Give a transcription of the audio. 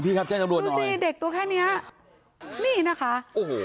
ครับแจ้งตำรวจหน่อยสิเด็กตัวแค่เนี้ยนี่นะคะโอ้โห